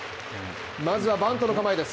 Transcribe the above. まずはバントの構えです。